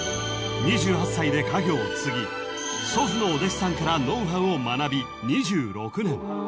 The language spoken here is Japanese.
［２８歳で家業を継ぎ祖父のお弟子さんからノウハウを学び２６年］